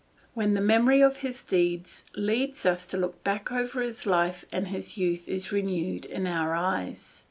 When the memory of his deeds leads us to look back over his life and his youth is renewed in our eyes.